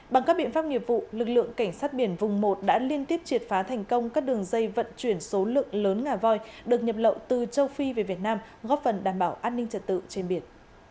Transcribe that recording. bằng các biện pháp nghiệp vụ lực lượng cảnh sát biển vùng một đã liên tiếp triệt phá thành công các đường dây vận chuyển số lượng lớn ngà voi được nhập lậu từ châu phi về việt nam góp phần đảm bảo an ninh trật tự trên biển